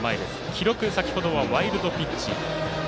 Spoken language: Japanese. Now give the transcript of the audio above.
記録、先ほどはワイルドピッチ。